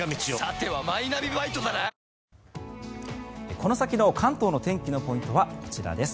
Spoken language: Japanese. この先の関東の天気のポイントはこちらです。